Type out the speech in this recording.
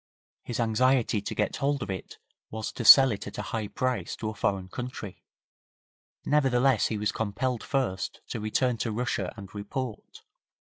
His anxiety to get hold of it was to sell it at a high price to a foreign country, nevertheless he was compelled first to return to Russia and report.